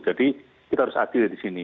jadi kita harus adil di sini